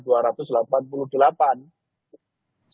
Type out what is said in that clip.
sementara pasangan satu koalisinya hanya satu ratus enam puluh